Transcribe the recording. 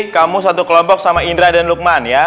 kamu satu kelompok sama indra dan lukman ya